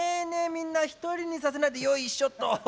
みんな一人にさせないでよいしょっと！